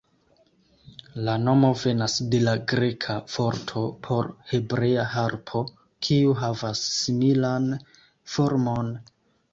La nomo venas de la greka vorto por hebrea harpo, kiu havas similan formon.